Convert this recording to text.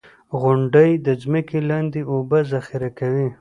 • غونډۍ د ځمکې لاندې اوبه ذخېره کوي.